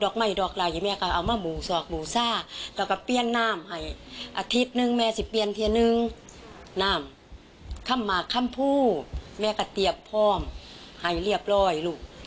คัมภูค์แม่กะเตียบพร่อมหายเรียบร้อยหรอก